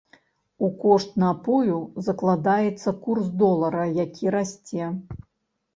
У кошт напою закладаецца курс долара, які расце.